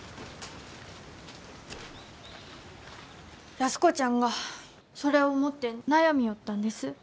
安子ちゃんがそれを持って悩みょうったんです。